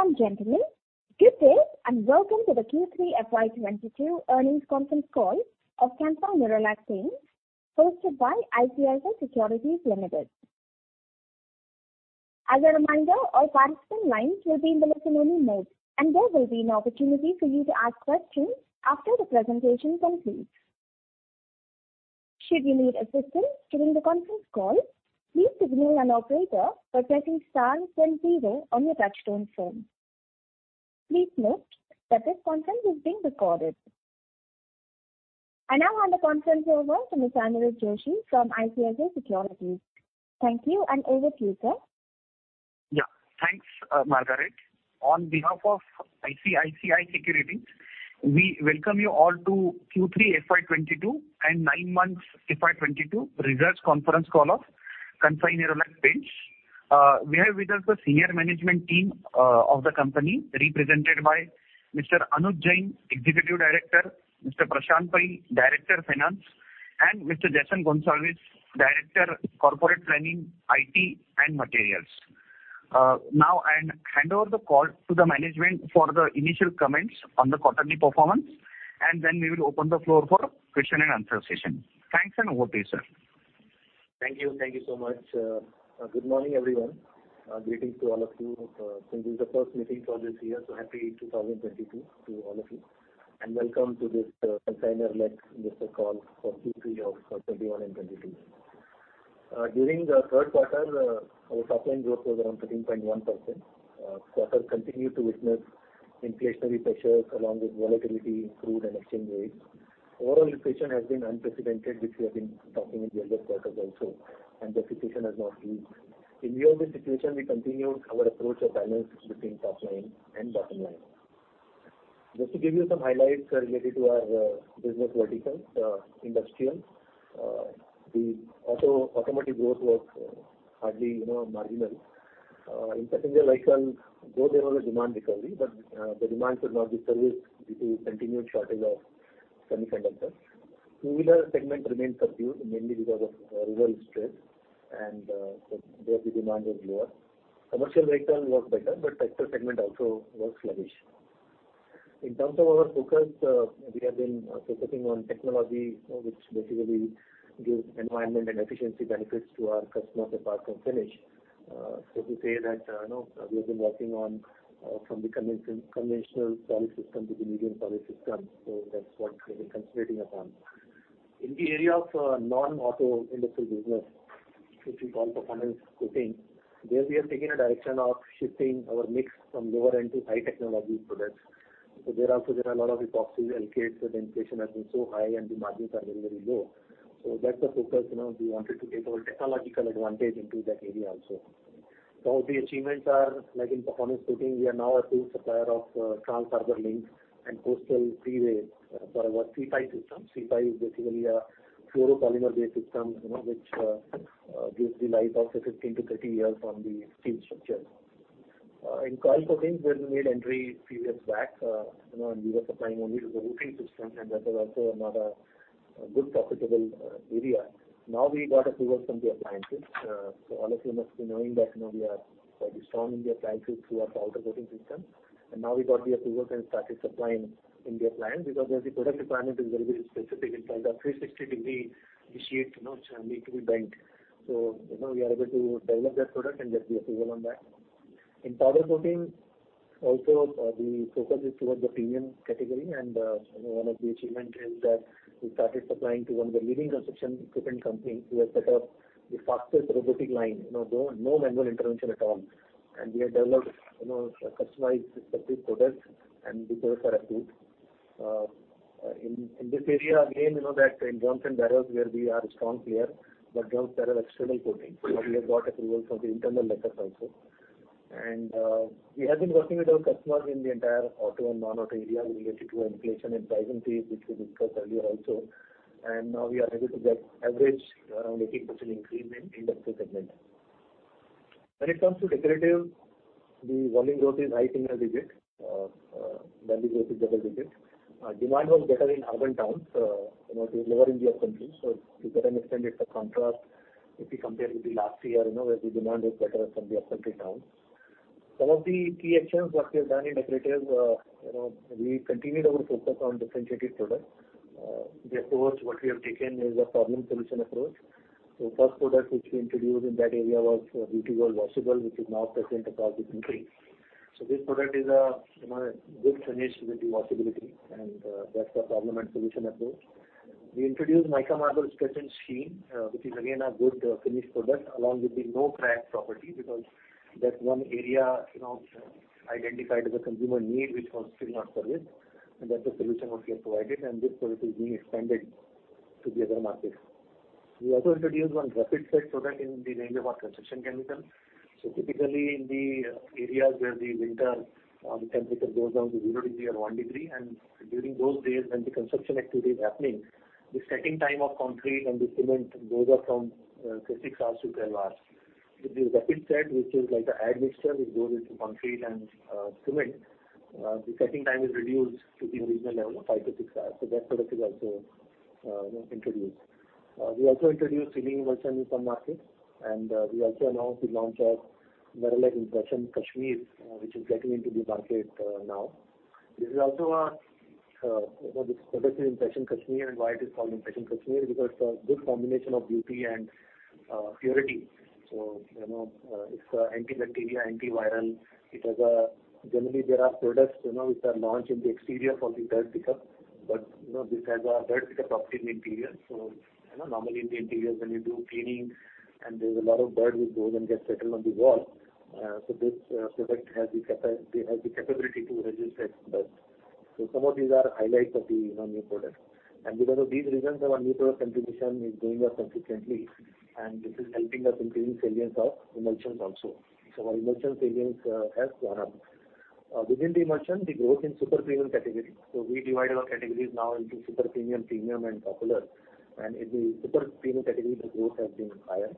Ladies and gentlemen, good day, and welcome to the Q3 FY 2022 earnings conference call of Kansai Nerolac Paints, hosted by ICICI Securities Limited. As a reminder, all participant lines will be in the listen-only mode, and there will be an opportunity for you to ask questions after the presentation concludes. Should you need assistance during the conference call, please signal an operator by pressing star then zero on your touchtone phone. Please note that this conference is being recorded. I now hand the conference over to Mr. Anuj Joshi from ICICI Securities. Thank you and over to you, sir. Yeah, thanks, Margaret. On behalf of ICICI Securities, we welcome you all to Q3 FY 2022 and nine months FY 2022 results conference call of Kansai Nerolac Paints. We have with us the senior management team of the company represented by Mr. Anuj Jain, Executive Director, Mr. Prashant Pai, Director, Finance, and Mr. Jason Gonsalves, Director, Corporate Planning, IT and Materials. Now I'll hand over the call to the management for the initial comments on the quarterly performance, and then we will open the floor for question-and-answer session. Thanks, and over to you, sir. Thank you. Thank you so much. Good morning, everyone. Greetings to all of you. This is the first meeting for this year, happy 2022 to all of you. Welcome to this Kansai Nerolac call for Q3 of 2021 and 2022. During the third quarter, our top line growth was around 13.1%. Quarter continued to witness inflationary pressures along with volatility in crude and exchange rates. Overall inflation has been unprecedented, which we have been talking in the earlier quarters also, and the situation has not eased. In view of the situation, we continued our approach of balance between top line and bottom line. Just to give you some highlights related to our business verticals, industrial, the automotive growth was hardly, you know, marginal. In passenger vehicles, though there was a demand recovery, but, the demand could not be serviced due to continued shortage of semiconductors. Two-wheeler segment remained subdued, mainly because of rural distress and, there the demand was lower. Commercial vehicles was better, but tractor segment also was sluggish. In terms of our focus, we have been focusing on technology which basically gives environment and efficiency benefits to our customers apart from finish. To say that, you know, we have been working on, from the conventional poly system to the medium poly system. That's what we've been concentrating upon. In the area of, non-auto industrial business, which we call performance coating, there we have taken a direction of shifting our mix from lower end to high technology products. There also are a lot of epoxy alkyds where the inflation has been so high and the margins are very, very low. That's the focus. You know, we wanted to get our technological advantage into that area also. Some of the achievements are, like in performance coating, we are now an approved supplier of Trans Harbour Link and Coastal Freeway for our C5 system. C5 is basically a fluoropolymer based system, you know, which gives the life of 15-30 years on the steel structures. In coil coatings, where we made entry few years back, you know, and we were supplying only to the roofing system, and that was also another good profitable area. Now we got approval from the appliances. All of you must be knowing that, you know, we are quite strong in the appliances through our powder coating system. Now we got the approval and started supplying in the appliance because the product requirement is very, very specific. It has a 360-degree bend, you know, need to be bent. You know, we are able to develop that product and get the approval on that. In powder coating also, the focus is towards the premium category. You know, one of the achievement is that we started supplying to one of the leading construction equipment company who has set up the fastest robotic line. You know, no manual intervention at all. We have developed, you know, customized specific products and the sales are approved. In this area again, you know that in drums and barrels where we are a strong player in external coating. Now we have got approval for the internal liners also. We have been working with our customers in the entire auto and non-auto area related to inflation and pricing fees, which we discussed earlier also. Now we are able to get average around 18% increase in industrial segment. When it comes to decorative, the volume growth is high single digits. Value growth is double digits. Demand was better in urban towns, you know, to lower tier cities. To a certain extent, it's a contrast if we compare with the last year, you know, where the demand was better from the upcountry towns. Some of the key actions what we have done in decorative, you know, we continued our focus on differentiated products. The approach what we have taken is a problem solution approach. First product which we introduced in that area was Nerolac Beauty Gold Washable, which is now present across the country. This product is a, you know, a good finish with the washability, and that's the problem and solution approach. We introduced Nerolac Excel Mica Marble Stretch and Sheen, which is again a good finish product along with the no crack property, because that's one area, you know, identified as a consumer need which was still not serviced, and that's the solution what we have provided. This product is being expanded to the other markets. We also introduced one rapid set product in the range of our construction chemical. Typically in the areas where the winter, the temperature goes down to 0 degrees or 1 degree, and during those days when the construction activity is happening, the setting time of concrete and the cement goes up from 6 hours to 12 hours. With the rapid set, which is like an admixture which goes into concrete and cement, the setting time is reduced to the regular level, 5 to 6 hours. That product is also, you know, introduced. We also introduced 3D emulsion in some markets, and we also announced the launch of Nerolac Impressions Kashmir, which is getting into the market now. This is also our, you know, this progressive Impressions Kashmir, and why it is called Impressions Kashmir, because the good combination of beauty and purity. You know, it's antibacterial, antiviral. It has generally there are products, you know, which are launched in the exterior for the dirt pickup. You know, this has a dirt pick-up optic in interior. You know, normally in the interiors when you do cleaning and there's a lot of dirt which goes and get settled on the wall, so this product has the capability to resist that dirt. Some of these are highlights of the new product. Because of these reasons, our new product penetration is going up consistently, and this is helping us increase salience of emulsions also. Our emulsions salience has gone up. Within the emulsion, the growth in super premium category. We divide our categories now into super premium, and popular. In the super premium category, the growth has been higher.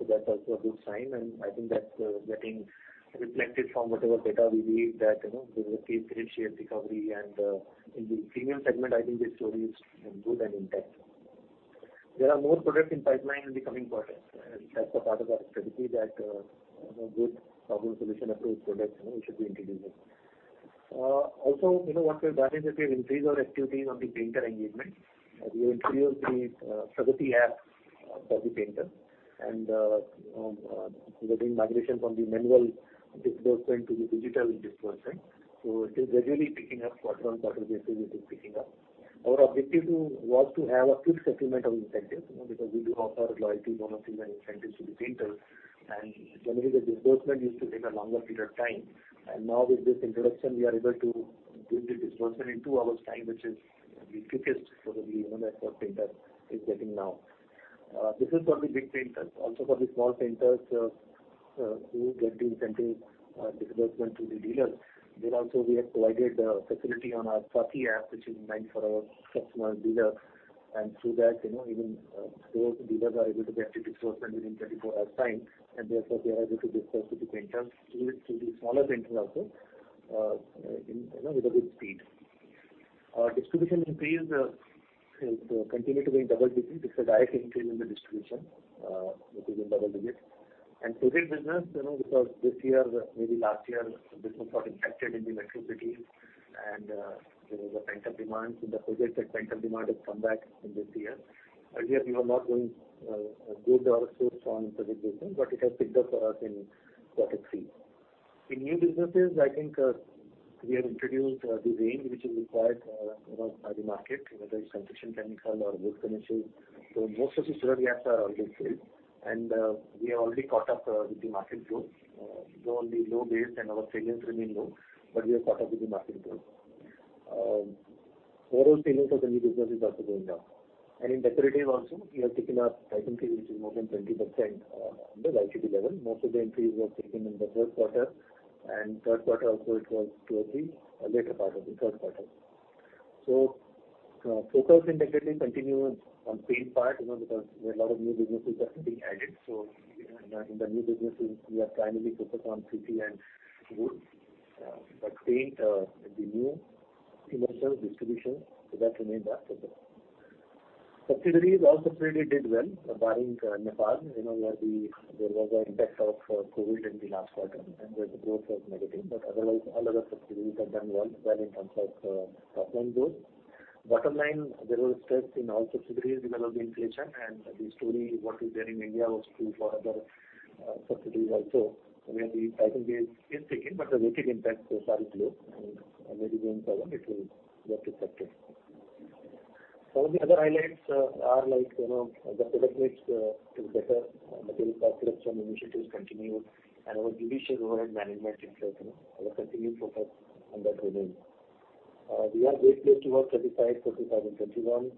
That's also a good sign, and I think that's getting reflected from whatever data we read that, you know, there is a case for share recovery. In the premium segment, I think the story is good and intact. There are more products in pipeline in the coming quarters, as a part of our strategy that, you know, good problem solution approach products, you know, we should be introducing. Also, you know, what we've done is we've increased our activities on the painter engagement. We have introduced the Pragati App for the painter and we're doing migration from the manual disbursement to the digital disbursement. It is gradually picking up. Quarter-on-quarter basis it is picking up. Our objective was to have a quick settlement of incentive, you know, because we do offer loyalty bonuses and incentives to the painters. Generally the disbursement used to take a longer period of time. Now with this introduction, we are able to give the disbursement in 2 hours time, which is, you know, the quickest for the, you know, that a painter is getting now. This is for the big painters. Also for the small painters, who get the incentive disbursement through the dealers. There also we have provided a facility on our Saathi App, which is meant for our customer dealers. Through that, you know, even those dealers are able to get the disbursement within 24 hours time, and therefore they are able to disperse to the painters, even to the smaller painters also, you know, with a good speed. Our distribution increase is continue to be in double digits. It's a direct increase in the distribution, which is in double digits. Project business, you know, because this year, maybe last year business got impacted in the electricity and, you know, the pent-up demand. The project and pent-up demand has come back in this year. Earlier we were not getting good orders on project business, but it has picked up for us in quarter three. In new businesses, I think we have introduced the range which is required you know by the market, whether it's construction chemicals or wood chemicals. Most of the product gaps are already filled. We have already caught up with the market growth. Though on the low base and our salience remain low, but we have caught up with the market growth. Overall salience of the new business is also going up. In decorative also, we have taken up price increase which is more than 20% on the Q2 level. Most of the increase was taken in the third quarter, and third quarter also it was towards the later part of the third quarter. Focus indirectly continue on paint part, you know, because there are a lot of new businesses that are being added. In the new businesses we are primarily focused on CP and wood. Paint, the new emulsions, distribution, so that remains our focus. Subsidiaries also really did well, barring Nepal, you know, where there was an impact of COVID in the last quarter and where the growth was negative. Otherwise all other subsidiaries have done well in terms of top line growth. Bottom line, there was stress in all subsidiaries because of the inflation. The story what is there in India was true for other subsidiaries also, where the price increase is taken, but the weighted impact was fairly low. Maybe going forward it will get reflected. Some of the other highlights are like, you know, the product mix is better. Material cost reduction initiatives continue. Our judicious overhead management is, you know, our continued focus and that remains. We are well placed towards 35, 40,000 2021.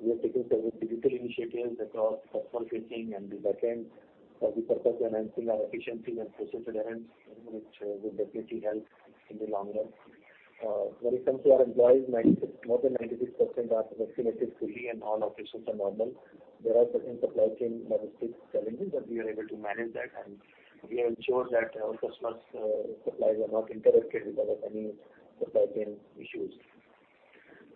We have taken several digital initiatives across customer facing and the back end for the purpose of enhancing our efficiency and process adherence, you know, which will definitely help in the long run. When it comes to our employees, more than 96% are vaccinated fully and all operations are normal. There are certain supply chain logistics challenges, but we are able to manage that and we ensure that our customers' supplies are not interrupted because of any supply chain issues.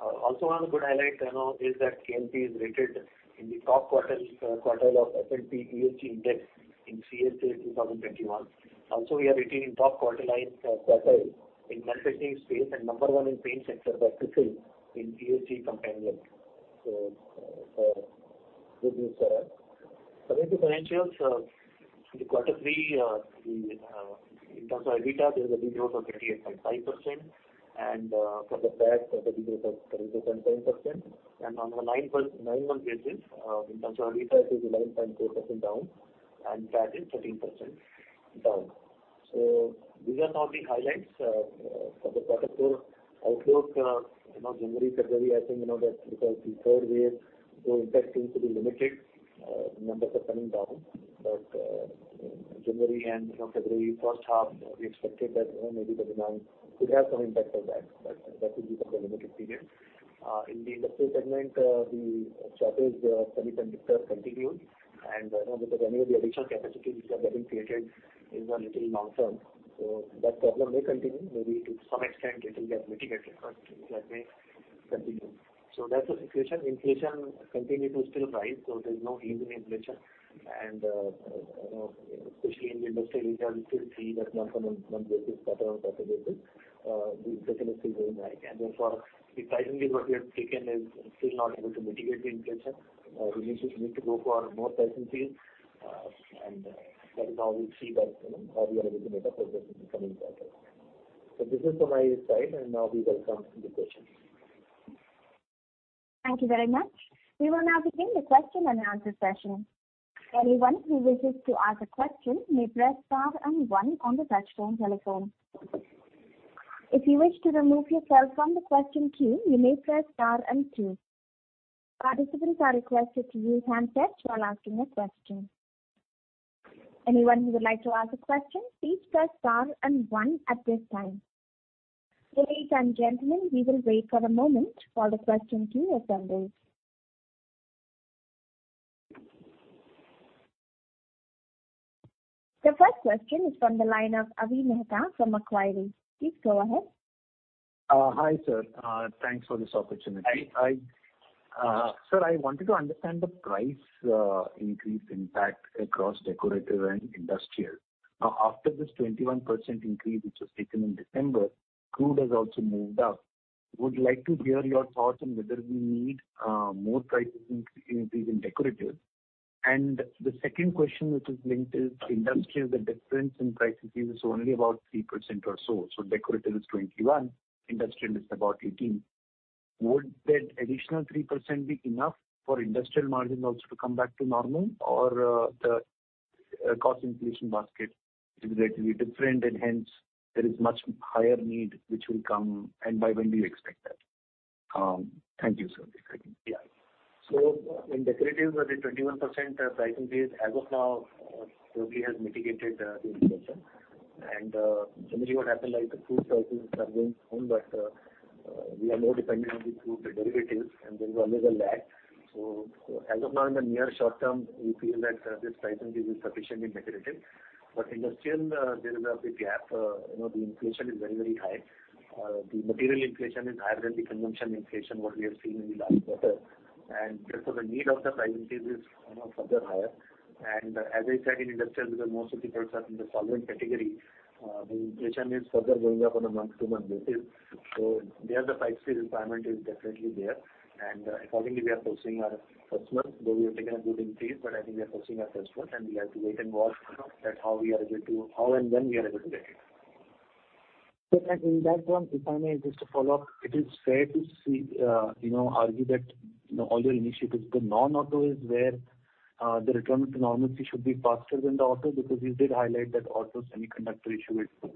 Also one good highlight, you know, is that KNPL is rated in the top quartile of S&P ESG Index in CSA 2021. We are rated in top quartile in manufacturing space and number one in paint sector by CRISIL in ESG compass. Good news there. Coming to financials, in quarter three, in terms of EBITDA there's a de-growth of 38.5%. For the PAT there's a de-growth of 37%. On the 9-month basis, in terms of EBITDA it is 11.4% down and PAT is 13% down. These are some of the highlights. For the quarter four outlook, you know, January, February, I think, you know, that because the third wave, though impact seems to be limited, numbers are coming down. January and, you know, February first half, we expect that, you know, maybe the demand could have some impact of that, but that will be for the limited period. In the industrial segment, the shortage of semiconductor continues. You know, because anyway the additional capacity which are getting created is a little long-term. So that problem may continue, maybe to some extent it will get mitigated, but that may continue. So that's the situation. Inflation continue to still rise, so there's no ease in inflation. You know, especially in the industrial, we can still see that month-on-month basis, quarter-on-quarter basis, the inflation is still going high. And therefore, the pricing is what we have taken is still not able to mitigate the inflation. We need to go for more price increase. Right now we see that, you know, how we are able to make up for this is becoming better. This is from my side, and now we welcome to the questions. Thank you very much. We will now begin the question-and-answer session. Anyone who wishes to ask a question may press star and one on the touchtone telephone. If you wish to remove yourself from the question queue, you may press star and two. Participants are requested to use handset while asking a question. Anyone who would like to ask a question, please press star and one at this time. Ladies and gentlemen, we will wait for a moment while the question queue assembles. The first question is from the line of Avi Mehta from Macquarie. Please go ahead. Hi, sir. Thanks for this opportunity. Hi. Sir, I wanted to understand the price increase impact across decorative and industrial. Now, after this 21% increase which was taken in December, crude has also moved up. Would like to hear your thoughts on whether we need more price increase in decorative. The second question which is linked is industrial, the difference in price increase is only about 3% or so. Decorative is 21, industrial is about 18. Would that additional 3% be enough for industrial margin also to come back to normal? Or, the cost inflation basket is relatively different and hence there is much higher need which will come, and by when do you expect that? Thank you, sir. Yeah. In decorative, the 21% price increase as of now totally has mitigated the inflation. Generally what happens like the crude prices are going down, but we are more dependent on the crude derivatives and there is always a lag. As of now in the near short term, we feel that this price increase is sufficiently mitigated. Industrial, there is a big gap. You know, the inflation is very, very high. The material inflation is higher than the consumption inflation, what we have seen in the last quarter. Therefore the need of the price increase is you know, further higher. As I said, in industrial because most of the products are in the solvent category, the inflation is further going up on a month-to-month basis. There the price increase requirement is definitely there. Accordingly we are pursuing our customers, though we have taken a good increase, but I think we are pursuing our customers and we have to wait and watch, you know, how and when we are able to get it. Sir, in that one, if I may just to follow up, it is fair to say, you know, argue that all your initiatives, the non-auto is where the return to normalcy should be faster than the auto because you did highlight that auto semiconductor issue is over.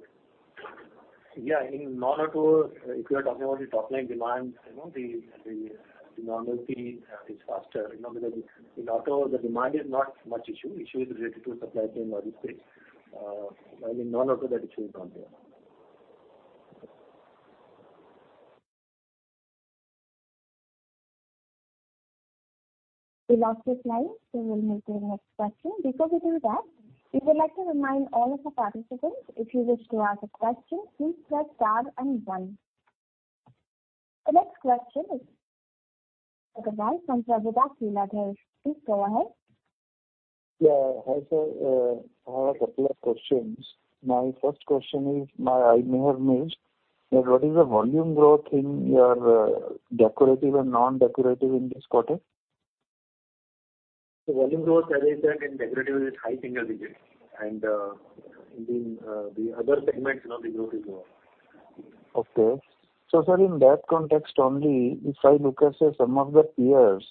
Yeah. In non-auto, if you are talking about the top line demands, you know, the normalcy is faster, you know, because in auto the demand is not much issue. Issue is related to supply chain or this space. In non-auto that issue is not there. We lost the client, so we'll move to the next question. Before we do that, we would like to remind all of the participants, if you wish to ask a question, please press star and one. The next question is from Prabodh Silachyxa. Please go ahead. Yeah. Hi, sir. I have a couple of questions. My first question is, now I may have missed, but what is the volume growth in your, decorative and non-decorative in this quarter? The volume growth as I said in decorative is high single digits. In the other segments, you know, the growth is low. Okay. Sir, in that context only, if I look at, say, some of the peers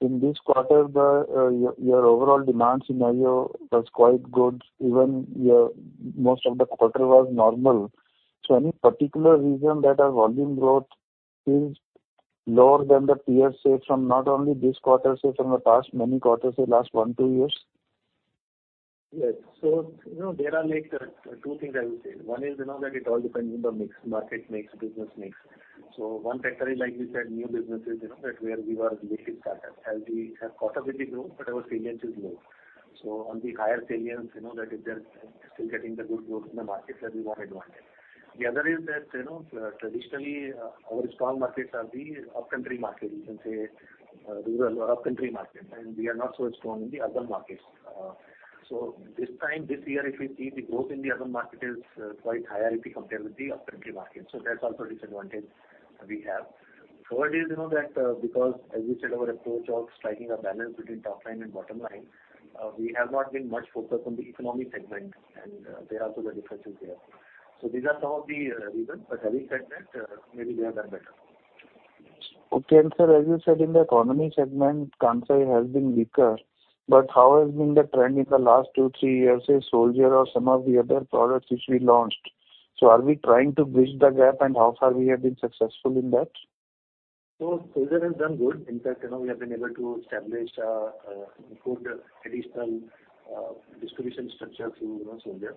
in this quarter, the, your overall demand scenario was quite good. Even your most of the quarter was normal. Any particular reason that our volume growth is lower than the peers, say from not only this quarter, say from the past many quarters, say last one, two years? Yes. You know there are like two things I will say. One is, you know, that it all depends on the mix, market mix, business mix. One factor is, like we said, new businesses, you know, that where we were lately started. As we have caught up with the growth, but our salience is low. On the higher salience, you know, that if they're still getting the good growth in the market, that we got advantage. The other is that, you know, traditionally, our strong markets are the upcountry markets, you can say, rural or upcountry markets, and we are not so strong in the urban markets. This time, this year if we see the growth in the urban market is quite higher if we compare with the upcountry market. That's also a disadvantage we have. Third is, you know, that because as we said, our approach of striking a balance between top line and bottom line, we have not been much focused on the economy segment and, there also the difference is there. These are some of the reasons. But having said that, maybe they have done better. Okay. Sir, as you said, in the economy segment, Kansai has been weaker, but how has been the trend in the last 2-3 years, say, Soldier or some of the other products which we launched? Are we trying to bridge the gap and how far we have been successful in that? Soldier has done good. In fact, you know, we have been able to establish, improve the distribution structure through, you know, Soldier.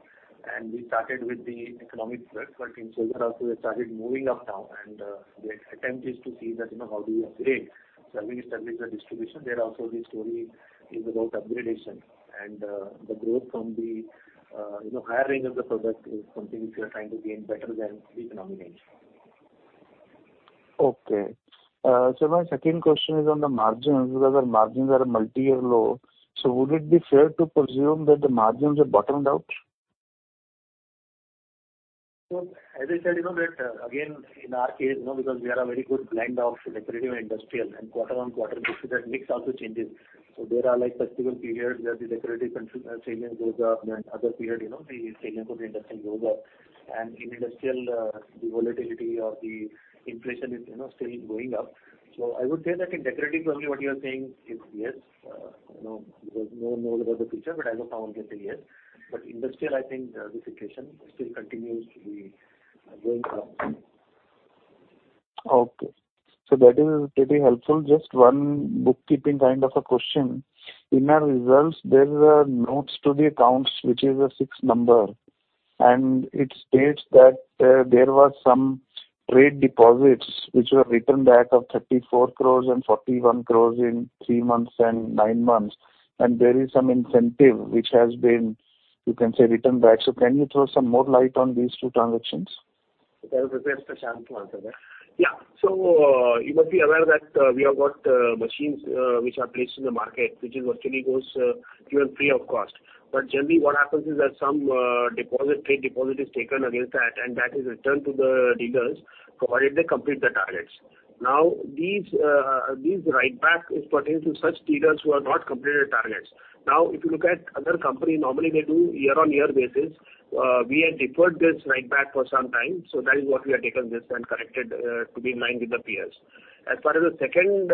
We started with the economy product, but in Soldier also we started moving up now and the attempt is to see that, you know, how do you upgrade? Having established the distribution, there also the story is about upgradation. The growth from the, you know, higher range of the product is something which we are trying to gain better than the economy range. Okay. My second question is on the margins. Because our margins are multi-year low, so would it be fair to presume that the margins have bottomed out? As I said, you know, that, again, in our case, you know, because we are a very good blend of decorative and industrial and quarter-on-quarter, you see that mix also changes. There are like festival periods where the decorative segment goes up and other period, you know, the segment of industrial goes up. In industrial, the volatility or the inflation is, you know, still going up. I would say that in decorative only what you are saying is yes, you know, because no one knows about the future, but as of now we'll get the yes. Industrial, I think, the situation still continues to be going up. That is pretty helpful. Just one bookkeeping kind of a question. In our results there were notes to the accounts, which is note number six, and it states that there was some trade deposits which were written back of 34 crore and 41 crore in three months and nine months. There is some incentive which has been, you can say, written back. Can you throw some more light on these two transactions? That is best for Syam Kumar to answer that. You must be aware that we have got machines which are placed in the market, which are virtually given free of cost. Generally what happens is that some trade deposit is taken against that, and that is returned to the dealers provided they complete the targets. Now, these write back is pertaining to such dealers who have not completed the targets. Now, if you look at other company, normally they do year-on-year basis. We have deferred this write back for some time, so that is what we have taken this and corrected to be in line with the peers. As far as the second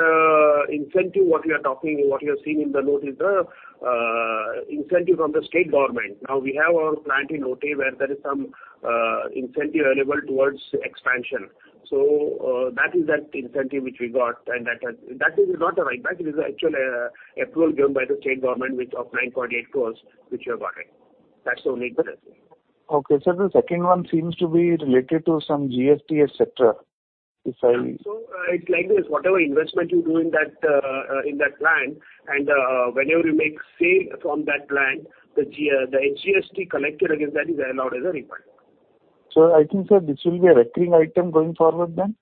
incentive what we are talking, what you are seeing in the note is the incentive from the state government. Now, we have our plant in Lote where there is some incentive available towards expansion. That is the incentive which we got. That is not a write back, it is actually an approval given by the state government which is 9.8 crores which we have got. That's the only difference. Okay. Sir, the second one seems to be related to some GST, et cetera. If I- It's like this, whatever investment you do in that plant and whenever you make sale from that plant, the SGST collected against that is allowed as a refund. I think, sir, this will be a recurring item going forward then?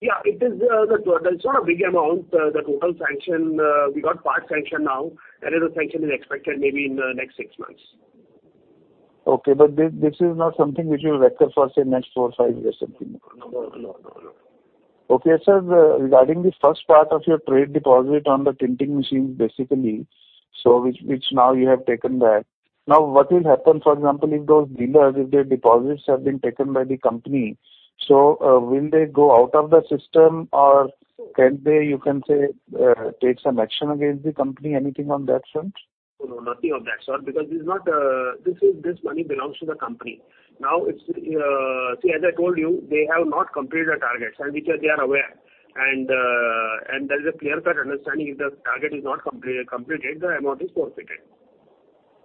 Yeah, it is the total. It's not a big amount. The total sanction, we got part sanction now. Another sanction is expected maybe in the next six months. Okay. This is not something which will recur for, say, next 4, 5 years or something? No. Okay. Sir, regarding the first part of your trade deposit on the tinting machines, basically, which now you have taken back. Now, what will happen, for example, if those dealers, if their deposits have been taken by the company. Will they go out of the system or can they, you can say, take some action against the company? Anything on that front? No, nothing of that, sir. Because this is not. This money belongs to the company. Now, it's, see, as I told you, they have not completed the targets and which they are aware. There is a clear cut understanding if the target is not completed, the amount is forfeited. It's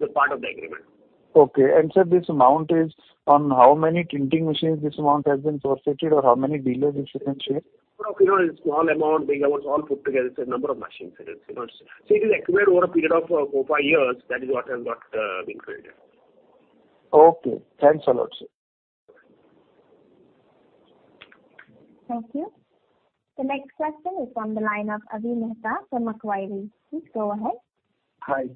a part of the agreement. Okay. Sir, this amount is on how many tinting machines this amount has been forfeited or how many dealers, if you can share? No, you know, it's small amount. Big amounts all put together, it's a number of machines it is, you know. It is accrued over a period of 4-5 years. That is what has been credited. Okay. Thanks a lot, sir. Thank you. The next question is from the line of Avi Mehta from Macquarie. Please go ahead.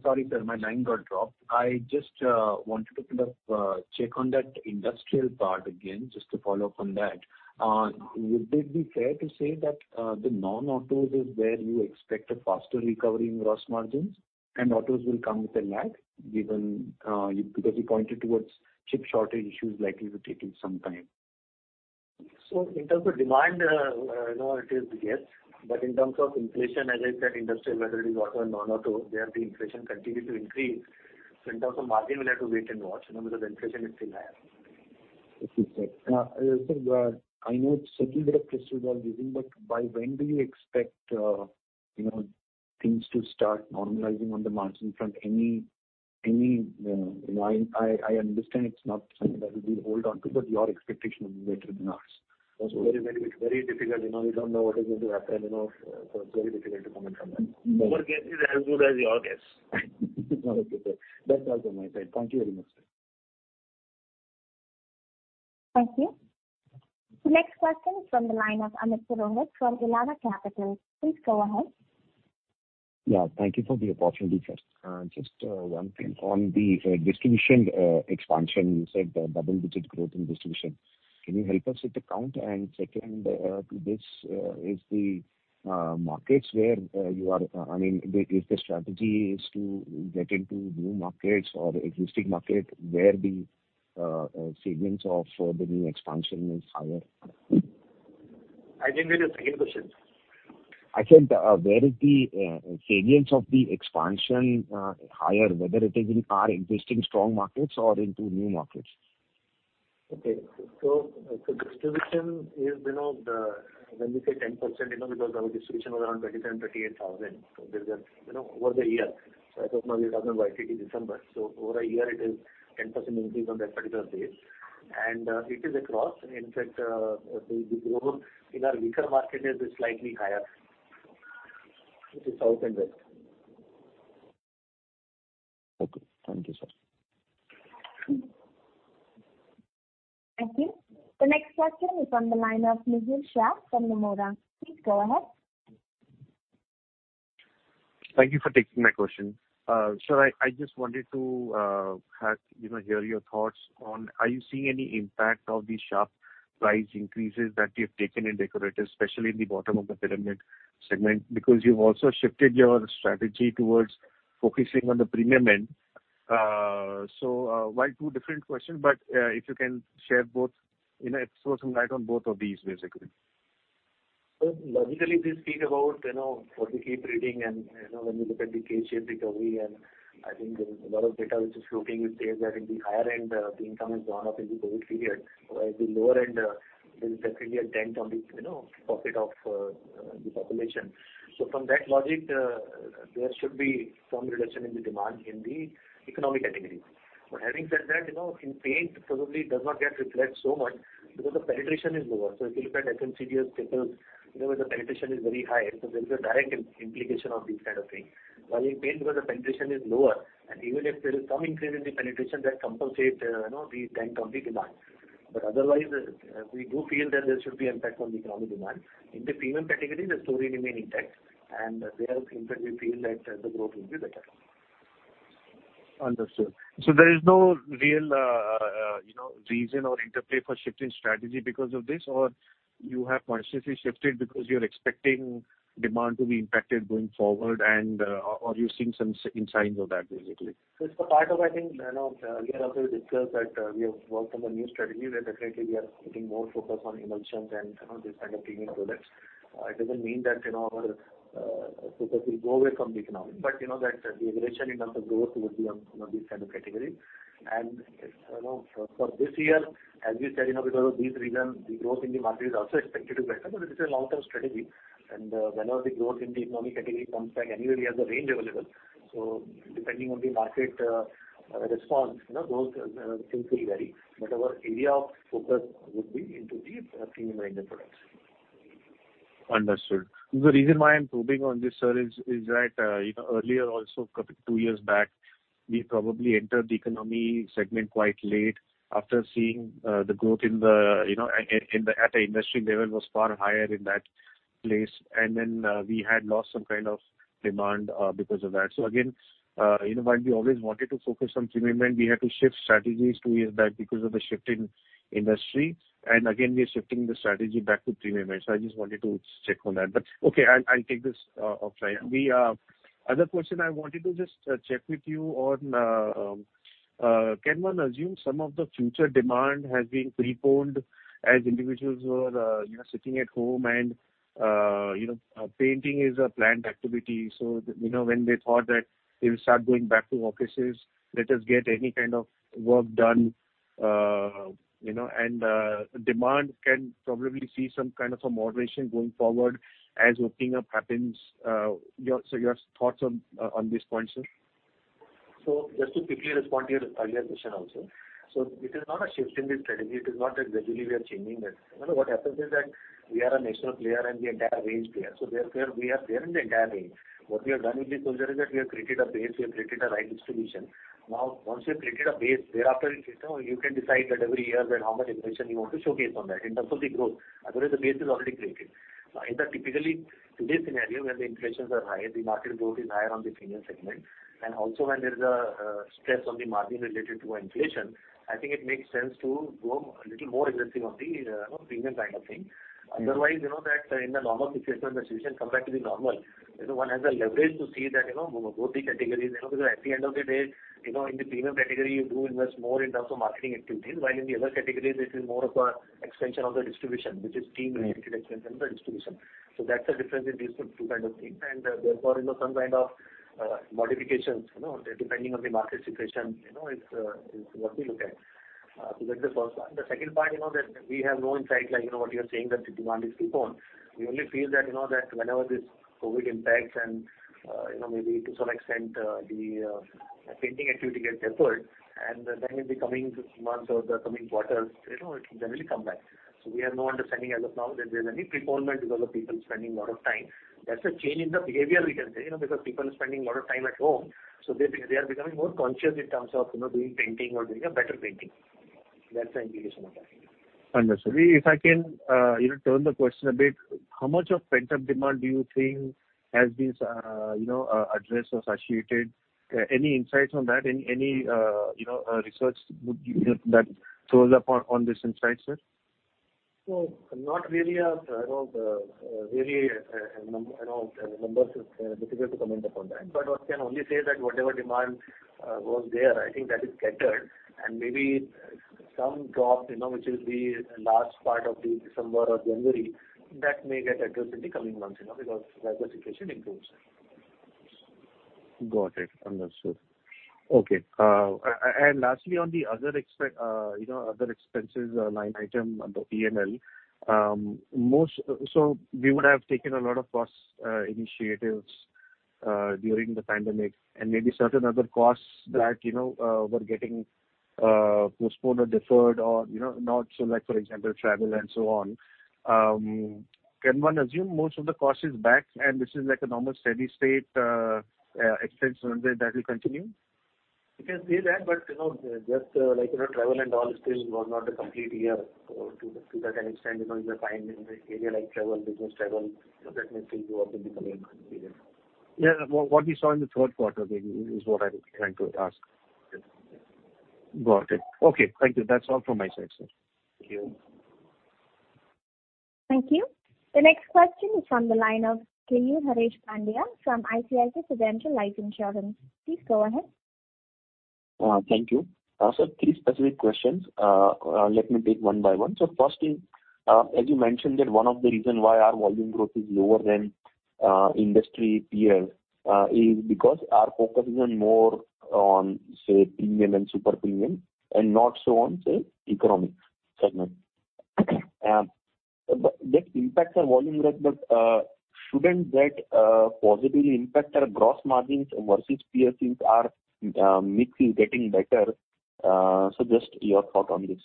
Sorry, sir, my line got dropped. I just wanted to put a check on that industrial part again, just to follow up on that. Would it be fair to say that the non-autos is where you expect a faster recovery in gross margins and autos will come with a lag given because you pointed towards chip shortage issues likely to take you some time? In terms of demand, you know, it is, yes. In terms of inflation, as I said, industrial, whether it is auto or non-auto, there the inflation continues to increase. In terms of margin we'll have to wait and watch, you know, because inflation is still higher. Okay, sir. I know it's a little bit of crystal ball guessing, but by when do you expect, you know, things to start normalizing on the margin front? I understand it's not something that we'll hold on to, but your expectation would be better than ours. It's very difficult. You know, we don't know what is going to happen. You know, so it's very difficult to comment on that. Mm-hmm. Our guess is as good as your guess. Okay, sir. That's all from my side. Thank you very much, sir. Thank you. The next question is from the line of Amit Shirangi from Elara Capital. Please go ahead. Yeah, thank you for the opportunity, sir. Just one thing. On the distribution expansion, you said the double-digit growth in distribution. Can you help us with the count? And second, to this, is the markets where you are. I mean, if the strategy is to get into new markets or existing market where the segments of the new expansion is higher? I didn't get your second question. I said, where is the segments of the expansion higher, whether it is in our existing strong markets or into new markets? Distribution is, you know, when we say 10%, you know, because our distribution was around 27,000-28,000. There is, you know, over the year. As of now we're talking about it is December. Over a year it is 10% increase on that particular base. It is across. In fact, the growth in our weaker market is slightly higher, which is South and West. Okay. Thank you, sir. Thank you. The next question is on the line of Mihir P. Shah from Nomura. Please go ahead. Thank you for taking my question. Sir, I just wanted to, you know, hear your thoughts on are you seeing any impact of the sharp price increases that you've taken in decorative, especially in the bottom of the pyramid segment? Because you've also shifted your strategy towards focusing on the premium end. While two different questions, but, if you can share both, you know, throw some light on both of these, basically. Logically we speak about, you know, what we keep reading and, you know, when you look at the K-shaped recovery, and I think there is a lot of data which is floating, which says that in the higher end, the income has gone up in the COVID period. Whereas the lower end, there's definitely a dent on the, you know, pocket of the population. From that logic, there should be some reduction in the demand in the economy category. But having said that, you know, in paint probably does not get reflected so much because the penetration is lower. If you look at FMCG or CPG, you know, the penetration is very high, so there is a direct implication of these kind of things. While in paint, because the penetration is lower, and even if there is some increase in the penetration that compensates, you know, the dent in the demand. Otherwise, we do feel that there should be impact on the economic demand. In the premium category, the story remain intact, and there in fact we feel that the growth will be better. Understood. There is no real, you know, reason or interplay for shift in strategy because of this, or you have consciously shifted because you're expecting demand to be impacted going forward and, or you're seeing some signs of that, basically? It's a part of, I think, you know, earlier also we discussed that, we have worked on a new strategy where definitely we are putting more focus on emulsions and, you know, this kind of premium products. It doesn't mean that, you know, our focus will go away from the economy, but you know that the aggression in terms of growth would be on, you know, these kind of category. You know, for this year, as we said, you know, because of these reasons, the growth in the market is also expected to be better. This is a long-term strategy. Whenever the growth in the economy category comes back, anyway we have the range available. Depending on the market response, you know, those things will vary. Our area of focus would be into the premium range of products. Understood. The reason why I'm probing on this, sir, is that you know, earlier also probably two years back, we probably entered the economy segment quite late after seeing the growth in the you know at the industry level was far higher in that space. Then we had lost some kind of demand because of that. Again you know, while we always wanted to focus on premium end, we had to shift strategies two years back because of the shift in industry. Again, we are shifting the strategy back to premium end. I just wanted to check on that. Okay, I'll take this offline. Other question I wanted to just check with you on, can one assume some of the future demand has been preponed as individuals were you know sitting at home and you know painting is a planned activity. You know when they thought that they will start going back to offices let us get any kind of work done. You know and demand can probably see some kind of moderation going forward as opening up happens. Your thoughts on this point sir? Just to quickly respond to your earlier question also. It is not a shift in the strategy. It is not that gradually we are changing that. You know what happens is that we are a national player and we're an entire range player. Therefore we are there in the entire range. What we have done with this quarter is that we have created a base, we have created a right distribution. Now, once you've created a base, thereafter, you know, you can decide that every year that how much aggression you want to showcase on that in terms of the growth. Otherwise the base is already created. Either typically today's scenario, when the inflation is high, the market growth is higher on the premium segment. Also when there is a stress on the margin related to inflation, I think it makes sense to go a little more aggressive on the you know premium kind of thing. Mm-hmm. Otherwise, you know that in the normal situation, the situation come back to the normal, you know, one has the leverage to see that, you know, both the categories, you know, because at the end of the day, you know, in the premium category, you do invest more in terms of marketing activities. While in the other categories, it is more of a extension of the distribution, which is team related extension and the distribution. That's the difference in these two kind of things. Therefore, you know, some kind of modifications, you know, depending on the market situation, you know, is what we look at. That's the first one. The second part, you know, that we have no insight like, you know, what you're saying that the demand is preponed. We only feel that, you know, that whenever this COVID impacts and, you know, maybe to some extent, the painting activity gets deferred and then in the coming months or the coming quarters, you know, it will generally come back. So we have no understanding as of now that there's any prepayment because of people spending a lot of time. That's a change in the behavior we can say, you know, because people are spending a lot of time at home, so they are becoming more conscious in terms of, you know, doing painting or doing a better painting. That's the indication of that. Understood. If I can, you know, turn the question a bit, how much of pent-up demand do you think has been, you know, addressed or satiated? Any insights on that? Any, you know, research would, you know, that throws up on this insight, sir? Not really, you know, the real numbers is difficult to comment upon that. One can only say that whatever demand was there, I think that is catered and maybe some drop, you know, which will be last part of the December or January that may get addressed in the coming months, you know, because as the situation improves. Got it. Understood. Okay. Lastly, on the other expenses line item on the P&L, we would have taken a lot of cost initiatives during the pandemic and maybe certain other costs that, you know, were getting postponed or deferred or, you know, not so, like, for example, travel and so on. Can one assume most of the cost is back and this is like a normal steady state expense that will continue? You can say that, but you know, just like you know, travel and all still was not a complete year to that extent, you know, you're finding the area like travel, business travel, you know, that may still go up in the coming months period. Yeah. What we saw in the third quarter maybe is what I was trying to ask. Got it. Okay. Thank you. That's all from my side, sir. Thank you. Thank you. The next question is from the line of Kunal Pandya from ICICI Prudential Life Insurance. Please go ahead. Thank you. Three specific questions. Let me take one by one. First thing, as you mentioned that one of the reason why our volume growth is lower than industry peers is because our focus is more on premium and super premium and not so on economic segment. But that impacts our volume growth, but shouldn't that positively impact our gross margins versus peer since our mix is getting better? Just your thought on this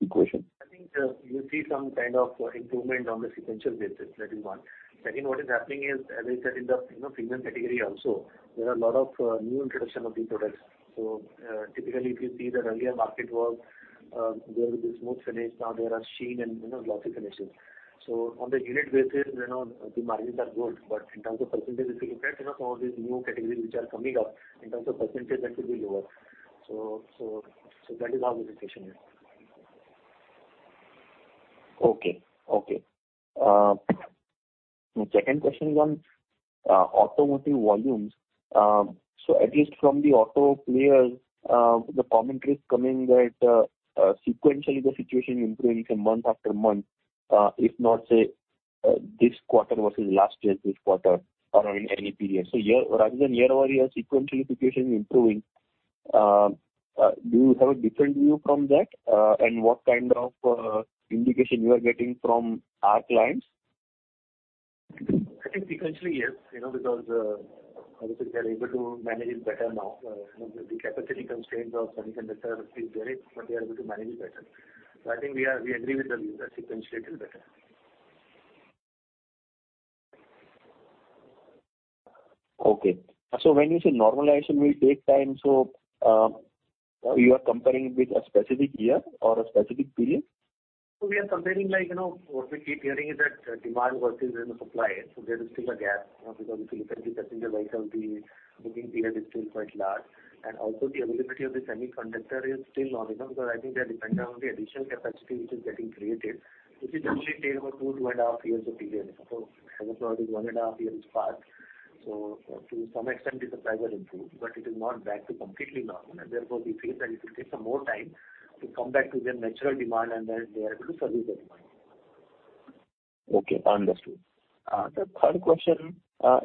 equation. I think you will see some kind of improvement on the sequential basis. That is one. Second, what is happening is, as I said, in the premium category also, there are a lot of new introduction of the products. So typically, if you see the earlier market was, there was the smooth finish, now there are sheen and glossy finishes. So on the unit basis, the margins are good, but in terms of percentage of the impact, some of these new categories which are coming up, in terms of percentage that will be lower. So that is how the equation is. Okay. My second question is on automotive volumes. At least from the auto players, the commentary is coming that sequentially the situation improving from month after month, if not, say, this quarter versus last year's this quarter or in any period. Rather than year-over-year, sequentially the situation improving. Do you have a different view from that? What kind of indication you are getting from your clients? I think sequentially, yes. You know, because obviously they're able to manage it better now. You know, the capacity constraints of semiconductor is there, but they are able to manage it better. I think we agree with the view that sequentially it is better. Okay. When you say normalization will take time, so, you are comparing with a specific year or a specific period? We are comparing, like, you know, what we keep hearing is that demand versus the supply. There is still a gap, you know, because if you look at the passenger vehicles, the booking period is still quite large. Also the availability of the semiconductor is still not enough because I think they're dependent on the additional capacity which is getting created, which will usually take about 2.5 years of period. Suppose, as of now it is 1.5 years passed. To some extent the supplies are improved, but it is not back to completely normal. Therefore, we feel that it will take some more time to come back to their natural demand and then they are able to serve the demand. Okay. Understood. The third question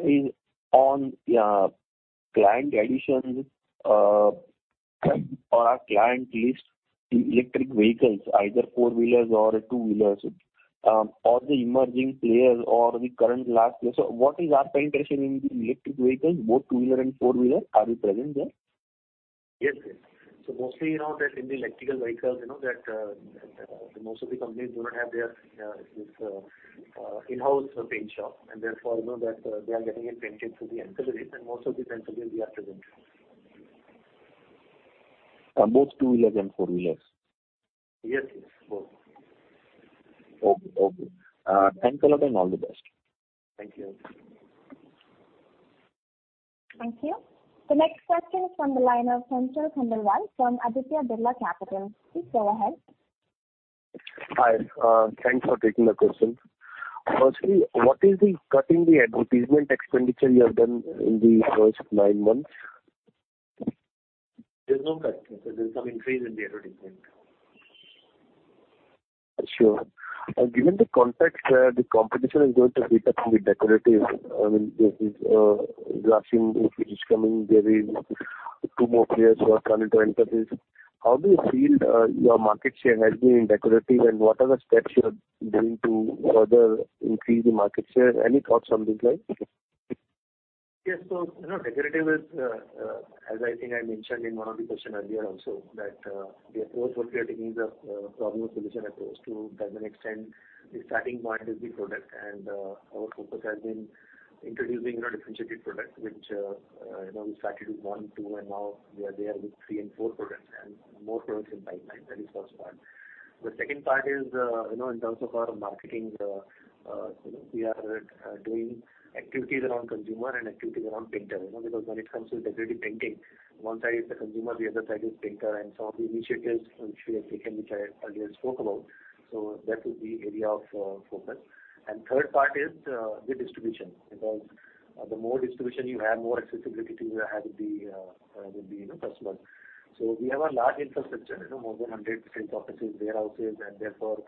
is on client additions or our client list in electric vehicles, either four-wheelers or two-wheelers, or the emerging players or the current large players. What is our penetration in the electric vehicles, both two-wheeler and four-wheeler? Are you present there? Yes, yes. Mostly, you know, that in the electric vehicles, you know, that most of the companies do not have their own in-house paint shop. Therefore, you know, that they are getting it painted through the ancillaries, and most of the ancillaries we are present. Both two-wheelers and four-wheelers. Yes, yes. Both. Okay. Thanks a lot and all the best. Thank you. Thank you. The next question is from the line of Nikhil Khandelwal from Aditya Birla Capital. Please go ahead. Hi. Thanks for taking the question. Firstly, what is the cut in the advertisement expenditure you have done in the first nine months? There's no cut. There's some increase in the advertisement. Sure. Given the context where the competition is going to heat up in the decorative, I mean, there is Grasim, which is coming, there is two more players who are planning to enter this. How do you feel your market share has been in decorative and what are the steps you are doing to further increase the market share? Any thoughts on these lines? Yes. You know, decorative is, as I think I mentioned in one of the question earlier also that, the approach what we are taking is a problem solution approach. To an extent, the starting point is the product and, our focus has been introducing, you know, differentiated products which, you know, we started with one, two, and now we are there with three and four products, and more products in pipeline. That is first part. The second part is, you know, in terms of our marketing, you know, we are doing activities around consumer and activities around painter, you know, because when it comes to decorative painting, one side is the consumer, the other side is painter. Some of the initiatives which we have taken, which I earlier spoke about, so that is the area of focus. Third part is the distribution, because the more distribution you have, more accessibility you have with the, with the, you know, customer. We have a large infrastructure, you know, more than 100 sales offices, warehouses, and therefore,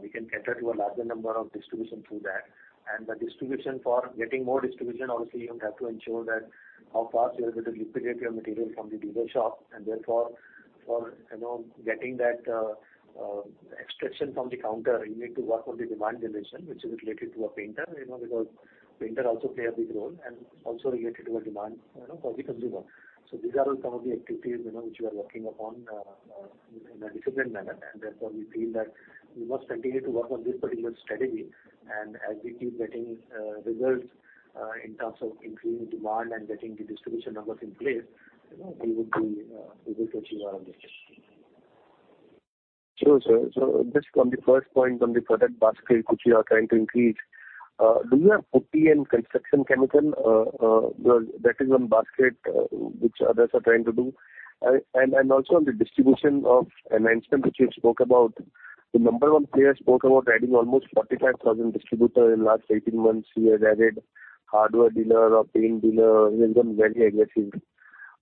we can cater to a larger number of distribution through that. The distribution for getting more distribution, obviously, you have to ensure that how fast you are able to liquidate your material from the dealer shop. Therefore, for, you know, getting that, extraction from the counter, you need to work on the demand generation, which is related to a painter, you know, because painter also play a big role and also related to a demand, you know, for the consumer. These are all some of the activities, you know, which we are working upon, in a disciplined manner. Therefore, we feel that we must continue to work on this particular strategy. As we keep getting results in terms of increasing demand and getting the distribution numbers in place, you know, we will achieve our objective. Sure, sir. Just on the first point on the product basket, which you are trying to increase, do you have putty and construction chemical that is in basket, which others are trying to do? Also on the distribution expansion announcement which you spoke about, the number one player spoke about adding almost 45,000 distributors in last 18 months. He has added hardware dealers or paint dealers. He has been very aggressive.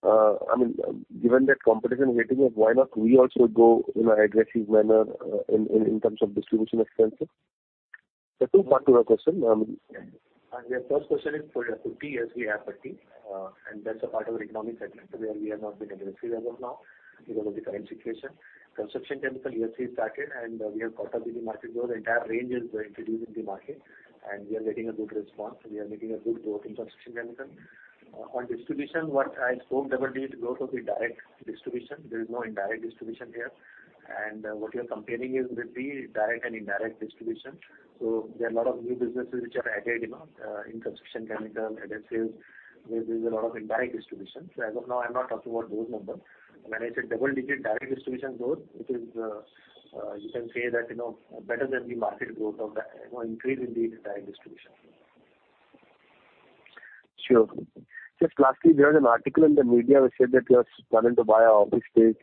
I mean, given that competition is heating up, why not we also go in an aggressive manner, in terms of distribution expenses? Two parts to my question. Your first question is for putty. Yes, we have a team, and that's a part of our economy segment where we have not been aggressive as of now because of the current situation. Construction chemical, yes, we've started and we have got a foothold in the market. Our entire range is introduced in the market and we are getting a good response. We are making a good growth in construction chemical. On distribution, what I spoke double-digit growth of the direct distribution. There is no indirect distribution here. What you're comparing is with the direct and indirect distribution. There are a lot of new businesses which are added, you know, in construction chemical, adhesives. There is a lot of indirect distribution. As of now I'm not talking about those numbers. When I said double-digit direct distribution growth, it is, you can say that, you know, better than the market growth of the, you know, increase in the entire distribution. Sure. Just lastly, there was an article in the media which said that you are planning to buy an office space.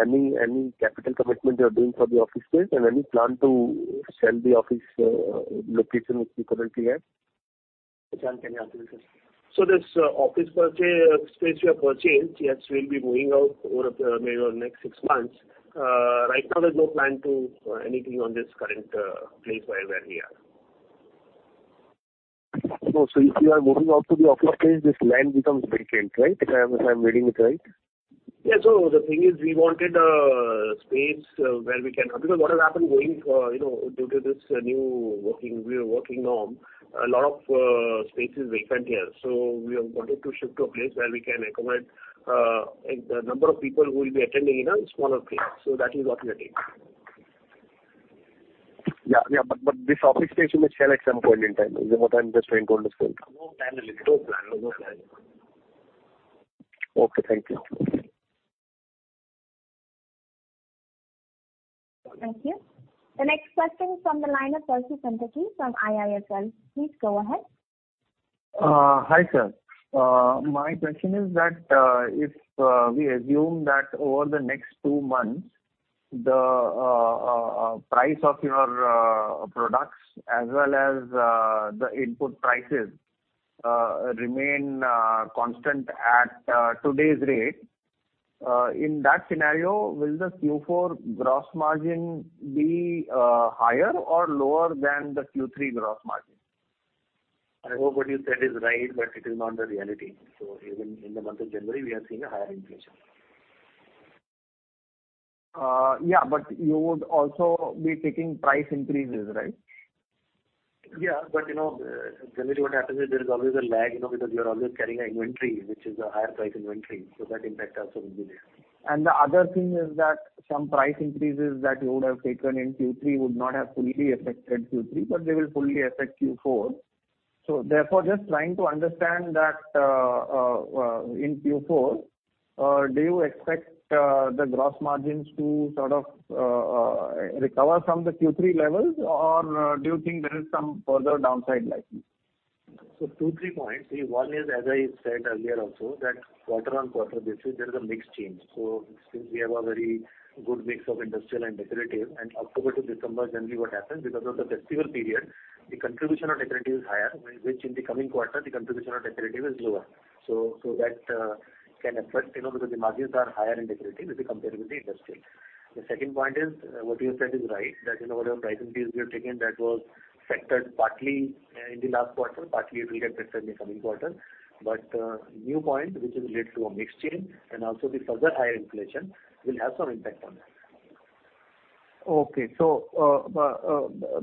Any capital commitment you are doing for the office space and any plan to sell the office location which you currently have? Vishal, can you answer this? This office space we have purchased, yes, we'll be moving out, maybe over the next six months. Right now there's no plan to do anything with this current place where we are. If you are moving out to the office space, this land becomes vacant, right? If I'm reading it right. Yeah. The thing is we wanted space where we can. Because what has happened going forward, you know, due to this new working norm, a lot of space is vacant here. We have wanted to shift to a place where we can accommodate the number of people who will be attending in a smaller place. That is what we are doing. Yeah. This office space you may sell at some point in time is what I'm just trying to understand. No plan as it is. Okay. Thank you. Thank you. The next question is from the line of Percy Panthaki from IIFL. Please go ahead. Hi, sir. My question is that if we assume that over the next two months the price of your products as well as the input prices remain constant at today's rate, in that scenario, will the Q4 gross margin be higher or lower than the Q3 gross margin? I hope what you said is right, but it is not the reality. Even in the month of January we are seeing a higher inflation. Yeah, you would also be taking price increases, right? Yeah. You know, generally what happens is there is always a lag, you know, because you are always carrying an inventory which is a higher price inventory. So that impact also will be there. The other thing is that some price increases that you would have taken in Q3 would not have fully affected Q3, but they will fully affect Q4. Therefore just trying to understand that, in Q4, do you expect the gross margins to sort of recover from the Q3 levels? Or, do you think there is some further downside likely? Two, three points. See, one is, as I said earlier also, that quarter-over-quarter basis there is a mix change. Since we have a very good mix of industrial and decorative, and October to December, generally what happens because of the festival period, the contribution of decorative is higher, which in the coming quarter the contribution of decorative is lower. That can affect, you know, because the margins are higher in decorative as compared with the industrial. The second point is what you said is right, that, you know, whatever price increase we have taken that was factored partly in the last quarter, partly it will get factored in the coming quarter. New point which is related to a mix change and also the further higher inflation will have some impact on that. Okay.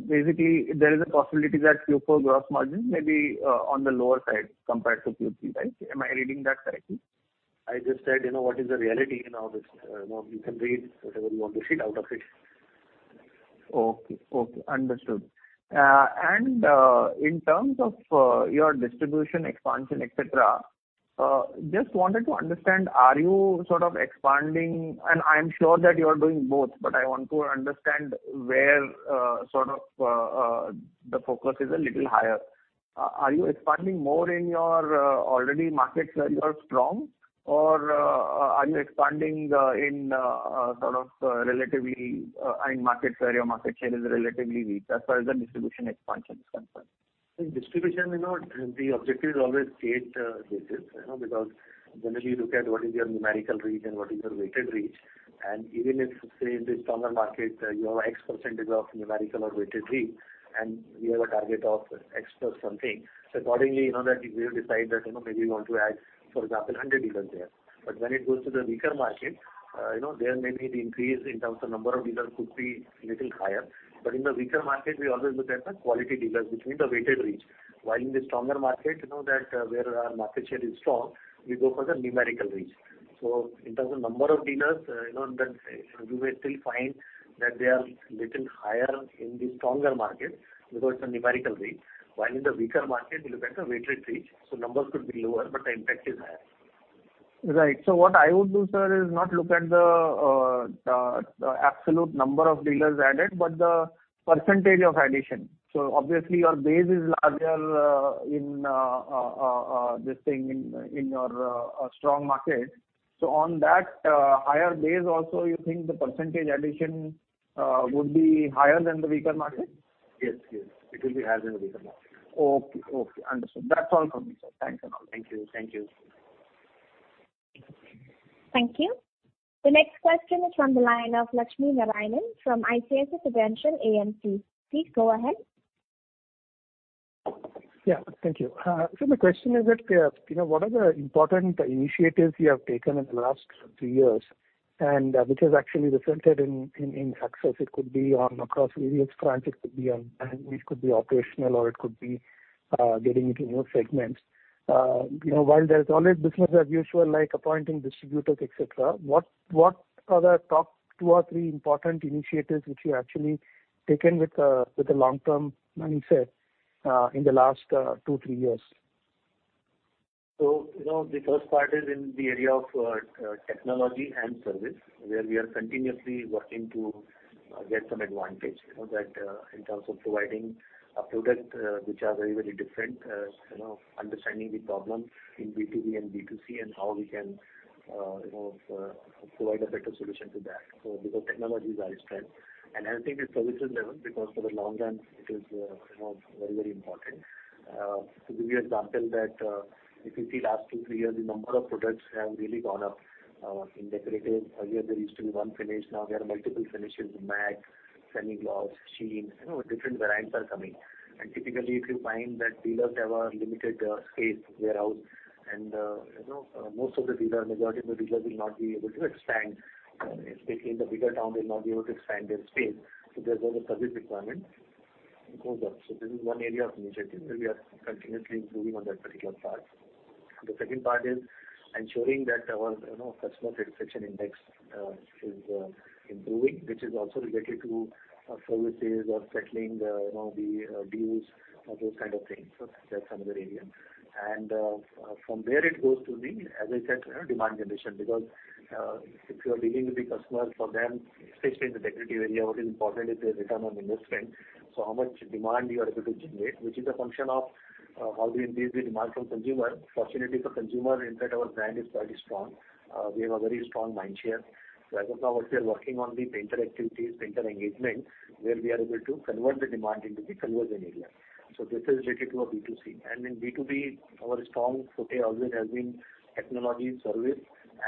Basically there is a possibility that Q4 gross margin may be on the lower side compared to Q3, right? Am I reading that correctly? I just said, you know, what is the reality now this, now you can read whatever you want to read out of it. Okay. Understood. In terms of your distribution expansion, et cetera, just wanted to understand, are you sort of expanding, and I'm sure that you are doing both, but I want to understand where sort of the focus is a little higher. Are you expanding more in your already markets where you are strong or are you expanding in sort of relatively in markets where your market share is relatively weak as far as the distribution expansion is concerned? In distribution, you know, the objective is always create basis, you know, because generally you look at what is your numerical reach and what is your weighted reach. Even if, say, in the stronger market, you have X% of numerical or weighted reach, and we have a target of X plus something. So accordingly, you know that we will decide that, you know, maybe we want to add, for example, 100 dealers there. But when it goes to the weaker market, you know, there may be the increase in terms of number of dealers could be a little higher. But in the weaker market, we always look at the quality dealers, which means the weighted reach. While in the stronger market, you know that, where our market share is strong, we go for the numerical reach. in terms of number of dealers, you know, you may still find that they are a little higher in the stronger markets because it's a numerical reach. While in the weaker market we look at the weighted reach, so numbers could be lower, but the impact is higher. What I would do, sir, is not look at the absolute number of dealers added, but the percentage of addition. Obviously your base is larger in your strong market. On that higher base also, you think the percentage addition would be higher than the weaker market? Yes. Yes. It will be higher than the weaker market. Okay. Understood. That's all from me, sir. Thanks a lot. Thank you. Thank you. Thank you. The next question is from the line of Chockalingam Narayanan from ICICI Prudential AMC. Please go ahead. Yeah. Thank you. So the question is that, you know, what are the important initiatives you have taken in the last two years and which has actually resulted in success? It could be across various fronts. It could be operational or it could be getting into new segments. You know, while there's always business as usual, like appointing distributors, et cetera, what are the top two or three important initiatives which you actually taken with the long-term mindset in the last two, three years? You know, the first part is in the area of technology and service, where we are continuously working to get some advantage. You know, that in terms of providing a product which are very, very different, you know, understanding the problem in B2B and B2C and how we can, you know, provide a better solution to that. Because technology is our strength, and I think it's services level, because for the long run it is you know very, very important. To give you example that if you see last 2, 3 years, the number of products have really gone up. In decorative, earlier there used to be 1 finish. Now there are multiple finishes, matte, semi-gloss, sheen, you know, different variants are coming. Typically, if you find that dealers have a limited space, warehouse and, you know, most of the dealers, majority of the dealers will not be able to expand, especially in the bigger town, their space. Therefore the service requirement goes up. This is one area of initiative where we are continuously improving on that particular part. The second part is ensuring that our, you know, customer satisfaction index is improving, which is also related to services or settling the, you know, dues or those kind of things. That's another area. From there it goes to the, as I said, you know, demand generation because if you are dealing with the customer for them especially in the decorative area what is important is the return on investment. How much demand you are able to generate which is a function of, how we increase the demand from consumer. Fortunately for consumer, in fact our brand is quite strong. We have a very strong mind share. As of now what we are working on the painter activities, painter engagement where we are able to convert the demand into the conversion area. This is related to a B2C. In B2B our strong forte always has been technology service